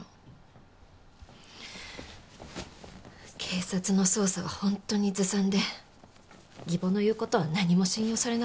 警察の捜査はホントにずさんで義母の言うことは何も信用されなかった。